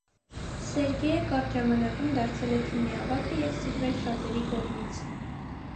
Սերգեյը կարճ ժամանակում դարձել է թիմի ավագը և սիրվել շատերի կողմից։